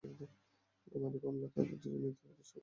কুমারী কমলা তাঁদের দুজনের নৃত্য প্রদর্শন অবলোকন করেছিলেন।